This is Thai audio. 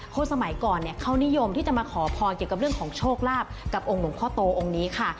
สมัยก่อนเนี่ยเขานิยมที่จะมาขอพรเกี่ยวกับเรื่องของโชคลาภกับองค์หลวงพ่อโตองค์นี้ค่ะ